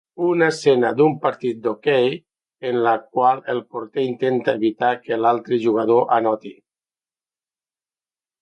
Una escena d'un partit d'hoquei en la qual el porter intenta evitar que l'altre jugador anoti